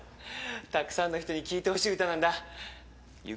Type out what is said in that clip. たくさんの人に聞いてほしい歌なんだ。